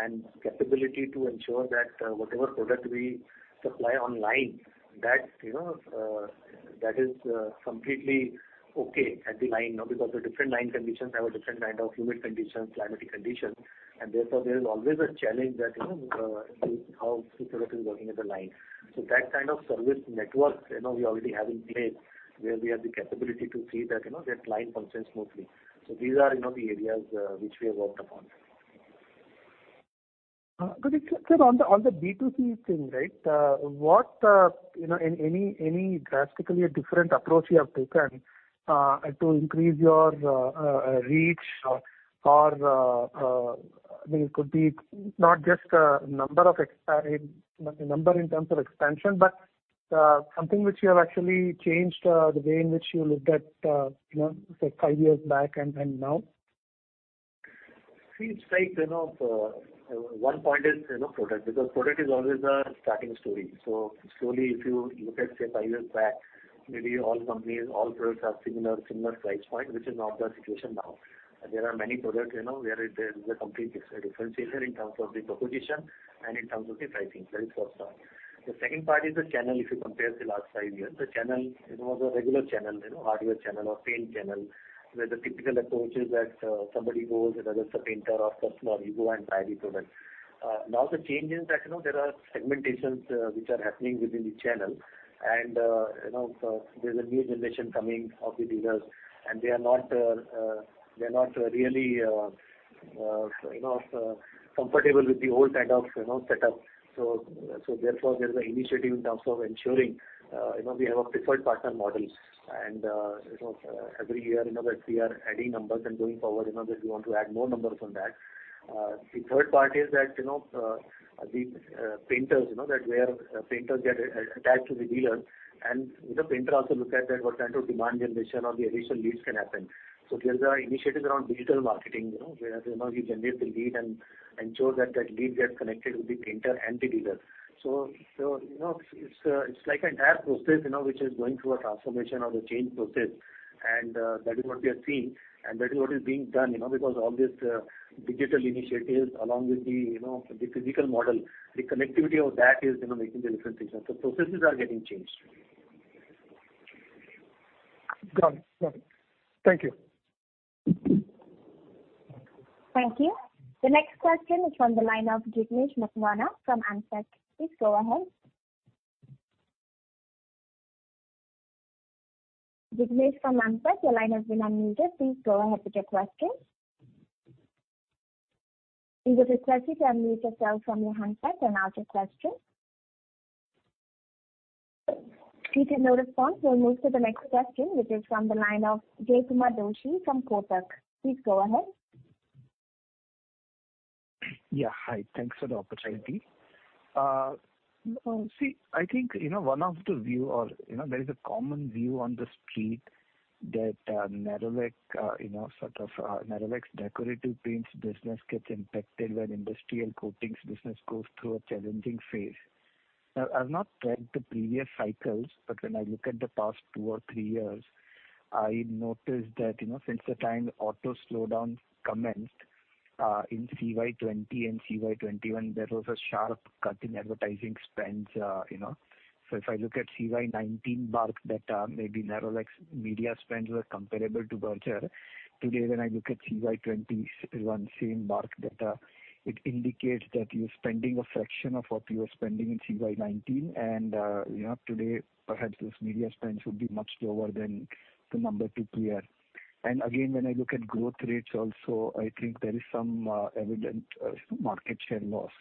and capability to ensure that, whatever product we supply on site that, you know, that is, completely okay at the site now because the different site conditions have a different kind of humid conditions, climatic conditions. Therefore there is always a challenge that, you know, how the product is working at the site. That kind of service network, you know, we already have in place where we have the capability to see that, you know, that line functions smoothly. These are you know the areas, which we have worked upon. Sir, on the B2C thing, right, what, you know, any drastically different approach you have taken to increase your reach or, I mean, it could be not just number in terms of expansion, but something which you have actually changed, the way in which you looked at, you know, say five years back and now. See it's like, you know, one point is, you know, product because product is always a starting story. Slowly if you look at say five years back maybe all companies, all products have similar price point which is not the situation now. There are many products you know where there is a complete differentiator in terms of the proposition and in terms of the pricing. That is first one. The second part is the channel if you compare the last five years. The channel, you know, the regular channel, you know, hardware channel or paint channel where the typical approach is that, somebody goes whether it's a painter or customer you go and try the product. Now the change is that you know there are segmentations, which are happening within the channel and you know, there's a new generation coming of the dealers and they are not really you know, comfortable with the old kind of you know setup. Therefore there's an initiative in terms of ensuring, you know we have a preferred partner model and you know, every year you know that we are adding numbers and going forward you know that we want to add more numbers on that. The third part is that you know, the painters you know that where painters get attached to the dealer and the painter also looks at that what kind of demand generation or the additional leads can happen. There's an initiative around digital marketing you know where you know we generate the lead and ensure that lead gets connected with the painter and the dealer. You know it's like entire process you know which is going through a transformation or the change process. That is what we are seeing, and that is what is being done, you know, because all these digital initiatives along with the, you know, the physical model, the connectivity of that is, you know, making the difference. Processes are getting changed. Got it. Thank you. Thank you. The next question is from the line of Jignesh Makwana from Amsec. Please go ahead. Jignesh from Amsec, your line has been unmuted. Please go ahead with your question. If you have a query, unmute yourself from your handset and ask your question. Taking no response, we'll move to the next question, which is from the line of Jaykumar Doshi from Kotak. Please go ahead. Hi. Thanks for the opportunity. I think you know there is a common view on the street that Nerolac's decorative paints business gets impacted when industrial coatings business goes through a challenging phase. I've not tracked the previous cycles, but when I look at the past two or three years, I noticed that you know since the time auto slowdown commenced in CY 2020 and CY 2021, there was a sharp cut in advertising spends you know. If I look at CY 2019 BARC data, maybe Nerolac's media spends were comparable to Berger. Today when I look at CY 2020 same BARC data, it indicates that you're spending a fraction of what you were spending in CY 2019. You know, today, perhaps those media spends would be much lower than the number two player. Again, when I look at growth rates also, I think there is some evident market share loss.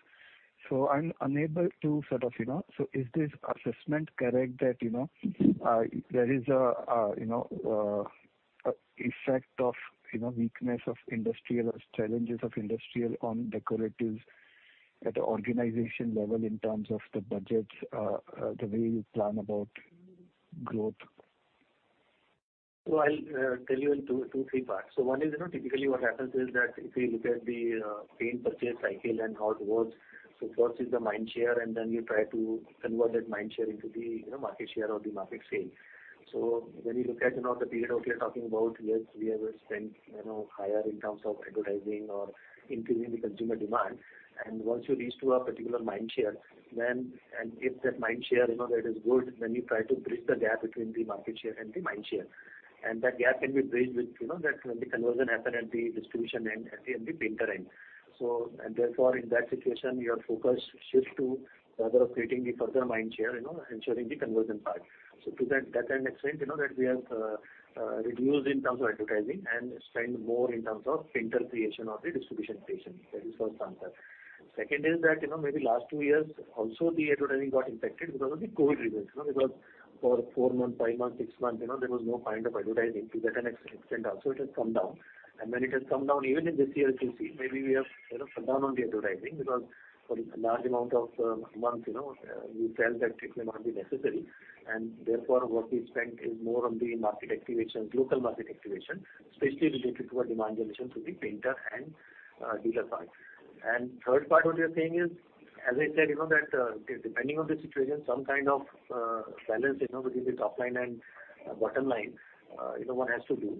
I'm unable to sort of, you know. Is this assessment correct that, you know, there is a, you know, effect of, you know, weakness of industrial or challenges of industrial on decoratives at the organization level in terms of the budgets, the way you plan about growth? I'll tell you in two, three parts. One is, you know, typically what happens is that if you look at the paint purchase cycle and how it works. First is the mind share, and then you try to convert that mind share into the, you know, market share or the market scale. When you look at, you know, the period we're talking about, yes, we have a spend, you know, higher in terms of advertising or increasing the consumer demand. Once you reach a particular mind share, and if that mind share, you know, that is good, then you try to bridge the gap between the market share and the mind share. That gap can be bridged with, you know, that when the conversion happen at the distribution end and the painter end. Therefore, in that situation, your focus shifts to rather than creating the further mind share, you know, ensuring the conversion part. To that extent, you know, that we have reduced in terms of advertising and spend more in terms of painter creation or the distribution creation. That is first answer. Second is that, you know, maybe last two years also the advertising got impacted because of the COVID reasons. You know, because for four months, five months, six months, you know, there was no point of advertising. To that extent also it has come down. When it has come down, even in this year you'll see maybe we have, you know, come down on the advertising because for a large amount of months, you know, we felt that it may not be necessary. Therefore, what we spent is more on the market activation, local market activation, especially related to our demand generation through the painter and dealer side. Third part, what you're saying is, as I said, you know, that depending on the situation, some kind of balance, you know, between the top line and bottom line, you know, one has to do.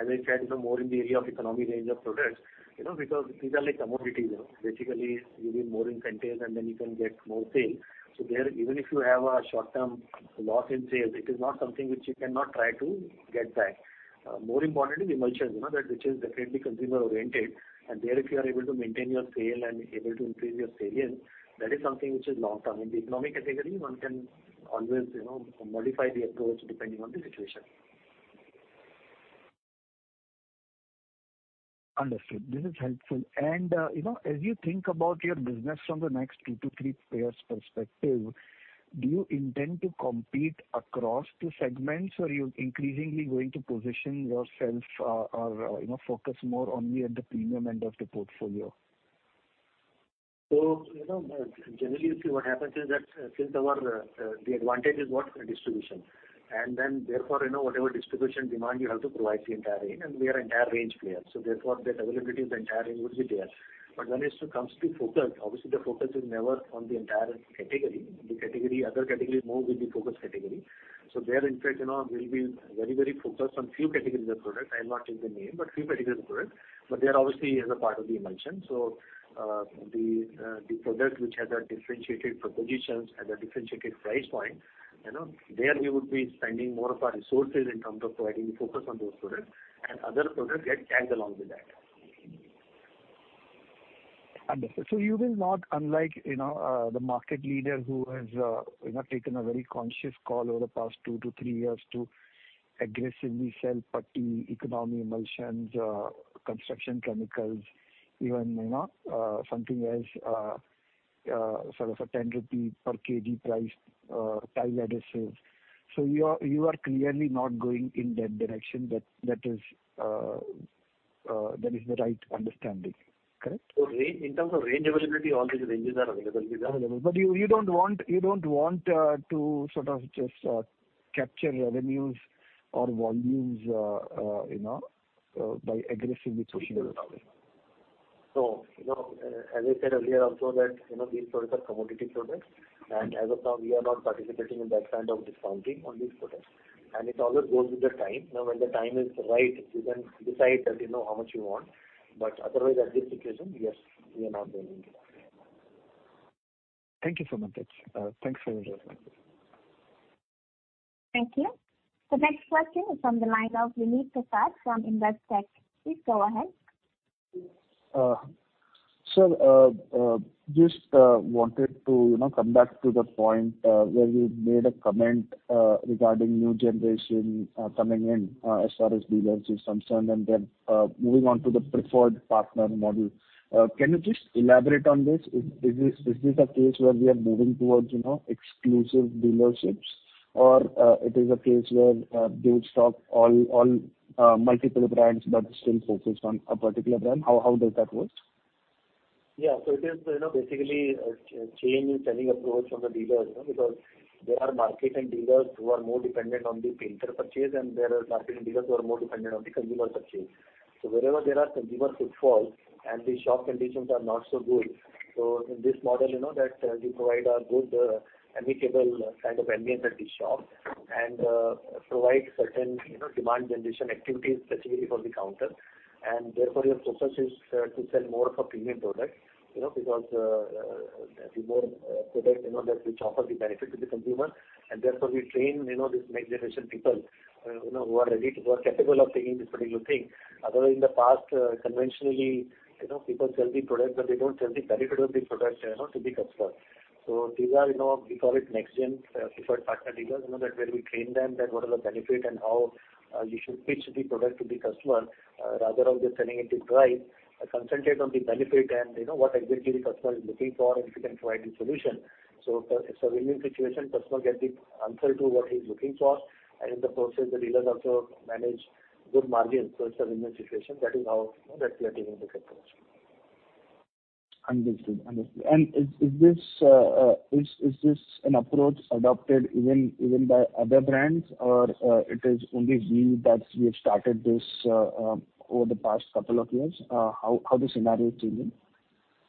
As I said, you know, more in the area of economy range of products, you know, because these are like commodities, you know. Basically, you give more incentives, and then you can get more sales. There, even if you have a short-term loss in sales, it is not something which you cannot try to get back. More important is emulsions, you know, that which is definitely consumer oriented. There, if you are able to maintain your scale and able to increase your sales, that is something which is long-term. In the economy category, one can always, you know, modify the approach depending on the situation. Understood. This is helpful. You know, as you think about your business from the next two to three players' perspective, do you intend to compete across the segments, or you're increasingly going to position yourself, or, you know, focus more only at the premium end of the portfolio? You know, generally you see what happens is that, since ours, the advantage is what? The distribution. Then therefore, you know, whatever distribution demand you have to provide the entire range, and we are entire range player, so therefore the availability of the entire range would be there. But when it comes to focus, obviously the focus is never on the entire category. The category, other category more will be focus category. There, in fact, you know, we'll be very, very focused on few categories of products. I'll not take the name, but few categories of products. They are obviously as a part of the emulsion. The product which has a differentiated proposition, has a differentiated price point, you know, there we would be spending more of our resources in terms of providing the focus on those products, and other products get tagged along with that. Understood. You will not, unlike, you know, the market leader who has, you know, taken a very conscious call over the past two to three years to aggressively sell putty, economy emulsions, construction chemicals, even, you know, something as sort of a 10 rupee per kg price, tile adhesives. You are clearly not going in that direction. That is the right understanding. Correct? Range, in terms of range availability, all the ranges are available. You don't want to sort of just, you know, by aggressively pushing the volume. You know, as I said earlier also that, you know, these products are commodity products, and as of now we are not participating in that kind of discounting on these products. It always goes with the time. Now, when the time is right, you can decide that you know how much you want. Otherwise, at this situation, yes, we are not doing it. Thank you so much. Thanks for the response. Thank you. The next question is from the line of Uneet Prasad from Investec. Please go ahead. Just wanted to, you know, come back to the point where you made a comment regarding new generation coming in, as far as dealerships is concerned and then moving on to the preferred partner model. Can you just elaborate on this? Is this a case where we are moving towards, you know, exclusive dealerships or it is a case where they would stock all multiple brands but still focused on a particular brand? How does that work? Yeah. It is, you know, basically a change in selling approach from the dealers, you know, because there are marketing dealers who are more dependent on the painter purchase and there are marketing dealers who are more dependent on the consumer purchase. Wherever there are consumer footfall and the shop conditions are not so good, so in this model, you know, that, we provide a good, amicable kind of ambience at the shop and, provide certain, you know, demand generation activities specifically for the counter. Therefore, your focus is, to sell more of a premium product, you know, because, the more, product, you know, that which offer the benefit to the consumer. Therefore, we train, you know, this next generation people, you know, who are ready to work, capable of taking this particular thing. Otherwise, in the past, conventionally, you know, people sell the product but they don't sell the benefit of the product, you know, to the customer. So these are, you know, we call it next gen, preferred partner dealers, you know, that where we train them that what are the benefit and how, you should pitch the product to the customer, rather than just selling it dry. Concentrate on the benefit and, you know, what exactly the customer is looking for, and if you can provide the solution. So it's a win-win situation. Customer gets the answer to what he's looking for, and in the process the dealers also manage good margin. So it's a win-win situation. That is how, you know, that we are taking the approach. Understood. Is this an approach adopted even by other brands or is it only you that have started this over the past couple of years? How is the scenario changing?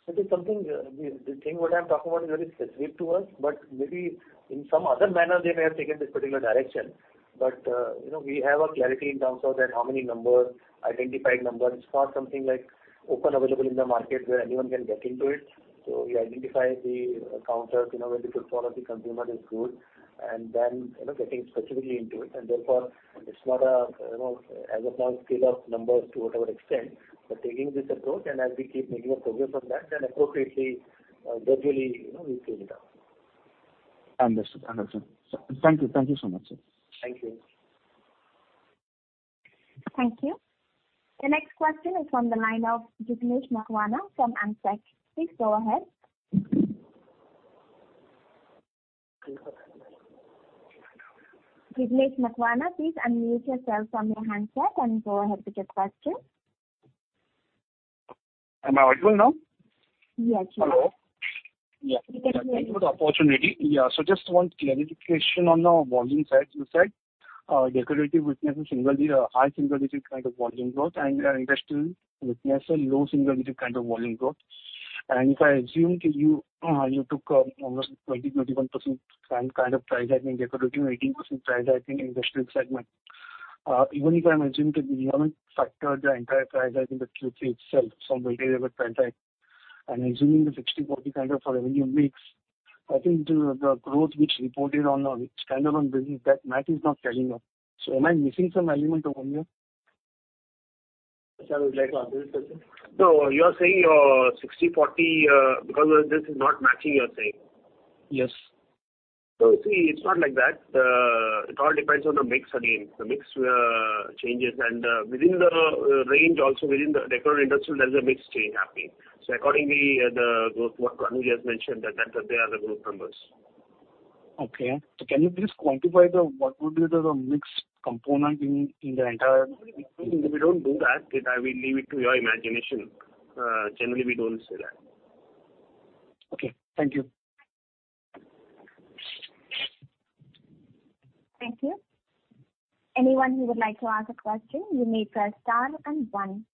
It is something, the thing what I'm talking about is very specific to us, but maybe in some other manner they may have taken this particular direction. You know, we have a clarity in terms of that how many numbers, identified numbers. It's not something, like, openly available in the market where anyone can get into it. We identify the counters, you know, where the footfall of the consumer is good and then, you know, getting specifically into it. Therefore, it's not a, you know, as of now scale of numbers to whatever extent. Taking this approach, and as we keep making a progress on that, then appropriately, gradually, you know, we scale it up. Understood. Thank you so much, sir. Thank you. Thank you. The next question is from the line of Jignesh Makwana from Amsec. Please go ahead. Jignesh Makwana, please unmute yourself from your handset and go ahead with your question. Am I audible now? Yes, you are. Hello? You can go ahead. Thank you for the opportunity. Yeah, just want clarification on the volume side. You said, Decorative witnessed significantly a high single-digit kind of volume growth and Industrial witnessed a low single-digit kind of volume growth. If I assume that you took almost 21% some kind of price hike in Decorative, 18% price hike in Industrial segment. Even if I assume that you haven't factored the entire price hike in the Q3 itself, some material price hike, and assuming the 60-40 kind of revenue mix, I think the growth which reported on a standalone business, that math is not adding up. Am I missing some element over here? Sir, would you like to answer this one? No, you are saying your 60/40, because this is not matching you're saying. Yes. See, it's not like that. It all depends on the mix again. The mix changes, and within the range also within the decor industrial, there's a mix change happening. Accordingly, the growth what Anuj has mentioned that they are the growth numbers. Okay. Can you please quantify what would be the mix component in the entire? We don't do that. I will leave it to your imagination. Generally we don't say that. Okay, thank you. Thank you. Anyone who would like to ask a question, you may press star and one.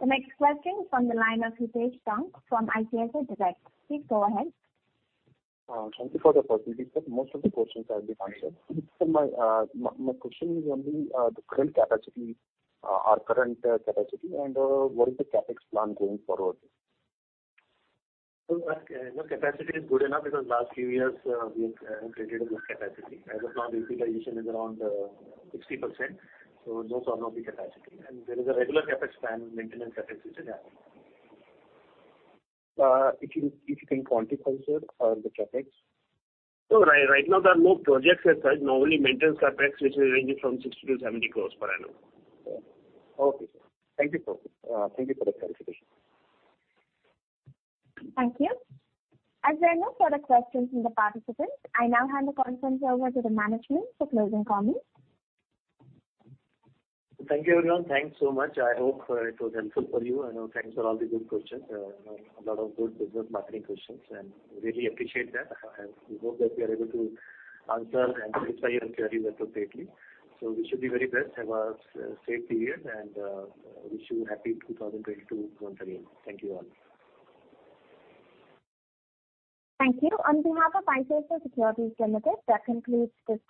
The next question is from the line of Hitesh Taunk from ICICI Direct. Please go ahead. Thank you for the opportunity, sir. Most of the questions have been answered. My question is only our current capacity and what is the CapEx plan going forward? Our capacity is good enough because last few years, we have created a good capacity. As of now, the utilization is around 60%, no problem with capacity. There is a regular CapEx plan, maintenance CapEx which is there. If you can quantify, sir, the CapEx? Right, right now there are no projects as such. Normally maintenance CapEx which is ranging from 60 crores-70 crores per annum. Okay. Okay, sir. Thank you. Thank you for the clarification. Thank you. As there are no further questions from the participants, I now hand the conference over to the management for closing comments. Thank you, everyone. Thanks so much. I hope it was helpful for you and thanks for all the good questions. A lot of good business marketing questions, and really appreciate that. We hope that we are able to answer and satisfy your query appropriately. Wish you the very best. Have a safe period and wish you happy 2022 once again. Thank you all. Thank you. On behalf of ICICI Securities Limited, that concludes this.